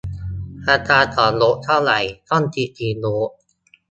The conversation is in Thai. ราคาต่อโดสเท่าไร ต้องฉีดกี่โดส